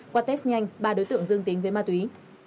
qua test nhanh ba đối tượng dương tính với ma túy